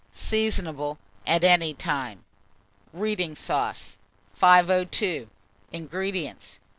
Seasonable at any time. READING SAUCE. 502. INGREDIENTS.